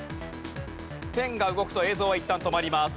ペンが動くと映像はいったん止まります。